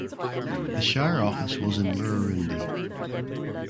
The shire office was in Murrurundi.